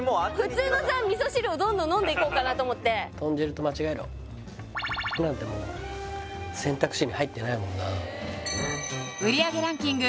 普通の味噌汁をどんどん飲んでいこうかなと思って○○なんてもう選択肢に入ってないもんな売り上げランキング